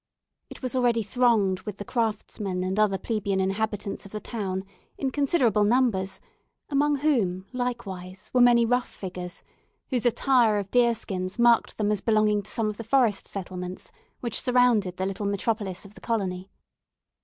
It was already thronged with the craftsmen and other plebeian inhabitants of the town, in considerable numbers, among whom, likewise, were many rough figures, whose attire of deer skins marked them as belonging to some of the forest settlements, which surrounded the little metropolis of the colony.